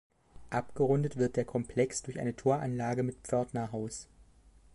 Abgerundet wird der Komplex durch eine Toranlage mit Pförtnerhaus.